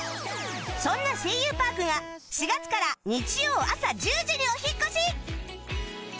そんな『声優パーク』が４月から日曜あさ１０時にお引っ越し！